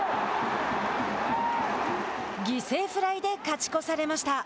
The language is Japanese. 犠牲フライで勝ち越されました。